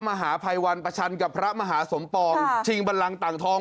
มหาภัยวันประชันกับพระมหาสมปองชิงบันลังต่างทอง